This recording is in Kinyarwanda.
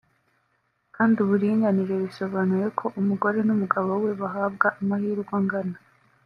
kandi uburinganire bisobanuye ko umugore n’ umugabo we bahabwa amahirwe angana